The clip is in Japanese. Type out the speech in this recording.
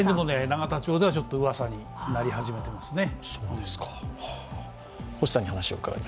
永田町ではちょっとうわさになり始めていますね。